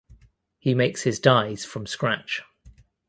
He makes his dyes from scratch.